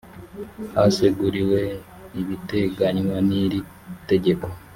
haseguriwe ibiteganywa n iri tegeko